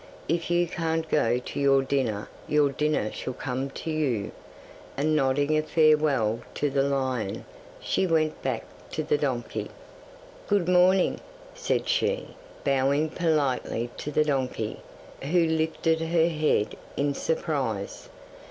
"If you can't go to your dinner your dinner shall come to you," and nodding a farewell to the lion she went back to the donkey. '"Good morning," said she, bowing politely to the donkey, who lifted her head in surprise.